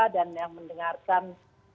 dan yang mendengarkan